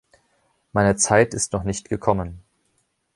Meine Zeit ist noch nicht gekommen.